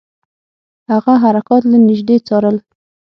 هغه حرکات له نیژدې څارل.